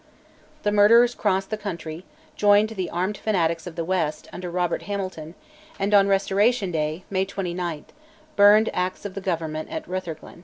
The murderers crossed the country, joined the armed fanatics of the west, under Robert Hamilton, and on Restoration Day (May 29) burned Acts of the Government at Rutherglen.